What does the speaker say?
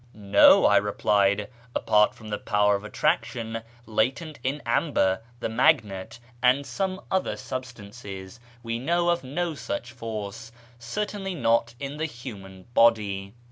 " No," I replied, " apart from the power of attraction latent in amber, the magnet, and some other substances, we know of no such force ; certainly not in the human body."